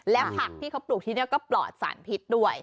และผักที่เขาปลูกที่นี่ก็ปลอดสารพิษด้วย